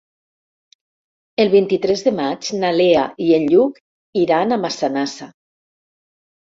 El vint-i-tres de maig na Lea i en Lluc iran a Massanassa.